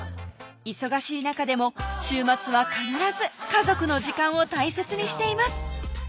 忙しい中でも週末は必ず家族の時間を大切にしています